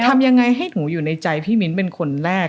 ทำยังไงให้หนูอยู่ในใจพี่มิ้นเป็นคนแรก